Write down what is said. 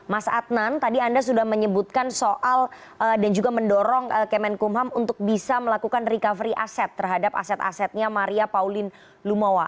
mas adnan tadi anda sudah menyebutkan soal dan juga mendorong kemenkumham untuk bisa melakukan recovery aset terhadap aset asetnya maria pauline lumowa